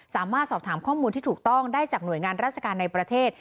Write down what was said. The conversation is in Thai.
สามารถสอบถามข้อมูลที่ถูกต้องได้จากหน่วยงานราชการในประเทศ